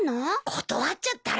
断っちゃったら？